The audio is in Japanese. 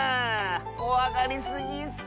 こわがりすぎッス！